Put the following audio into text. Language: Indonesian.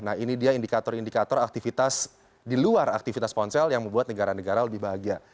nah ini dia indikator indikator aktivitas di luar aktivitas ponsel yang membuat negara negara lebih bahagia